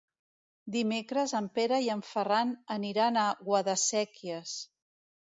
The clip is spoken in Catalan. Dimecres en Pere i en Ferran aniran a Guadasséquies.